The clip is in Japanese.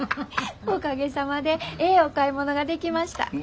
おかげさまでええお買い物ができました。